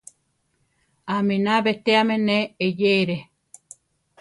Aminá betéame ne eyéere.